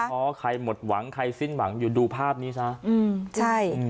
เพราะใครหมดหวังใครสิ้นหวังอยู่ดูภาพนี้ซะอืมใช่อืม